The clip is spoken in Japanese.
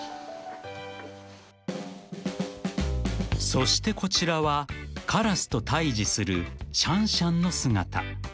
［そしてこちらはカラスと対峙するシャンシャンの姿］